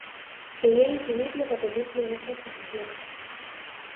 Quería incidir no patetismo desa posición.